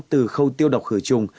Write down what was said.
từ khâu tiêu độc khởi trùng